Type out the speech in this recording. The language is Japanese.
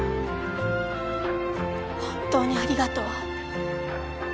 本当にありがとう。